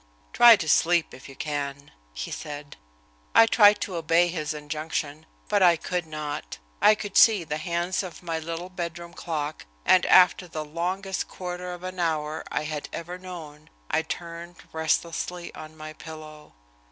"Try to sleep if you can," he said. I tried to obey his injunction, but I could not. I could see the hands of my little bedroom clock, and after the longest quarter of an hour I had ever known I turned restlessly on my pillow.